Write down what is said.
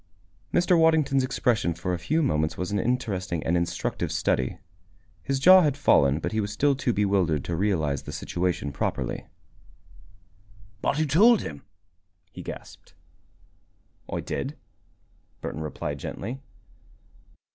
Mr. Waddington's expression for a few moments was an interesting and instructive study. His jaw had fallen, but he was still too bewildered to realize the situation properly. "But who told him?" he gasped. "I did," Burton replied gently.